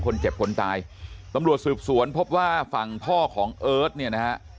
คนเจ็บคนตายตำรวจสืบสวนพบว่าฝั่งพ่อของเอิร์ทเนี่ยนะฮะ